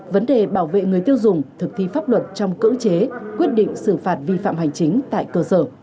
vấn đề bảo vệ người tiêu dùng thực thi pháp luật trong cưỡng chế quyết định xử phạt vi phạm hành chính tại cơ sở